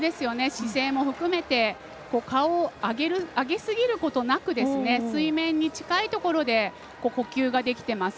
姿勢も含めて顔を上げすぎることなく水面に近いところで呼吸ができています。